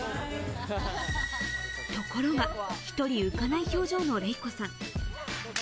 ところが一人浮かない表情のレイコさん。